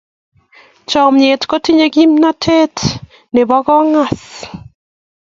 Chomnyet kotinyei kimnatet nebo kong'us.